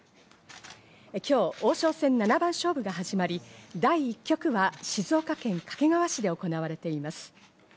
今日、王将戦七番勝負が始まり、第１局は静岡県掛川市で行われています。